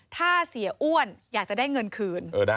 ถ้าเสียอ้วนอยากจะได้เงินคืน